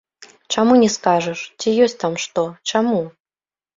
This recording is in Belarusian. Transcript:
Чаму не скажаш, ці ёсць там што, чаму?